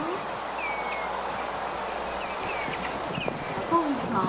中本さん。